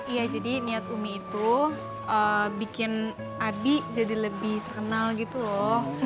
iya jadi niat umi itu bikin adik jadi lebih terkenal gitu loh